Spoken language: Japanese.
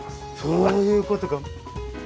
そういうことか。